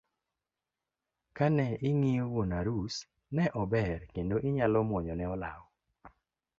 Kane ing'iyo wuon arus ne ober kendo inyalo muonyo ne olaw.